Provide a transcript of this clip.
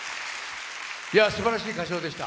すばらしい歌唱でした。